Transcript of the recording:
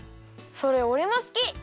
それおれもすき。